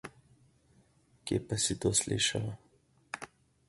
Kje pa si to slišala?